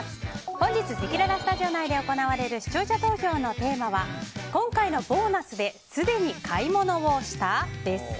本日せきららスタジオ内で行われる視聴者投票のテーマは今回のボーナスですでに買い物をした？です。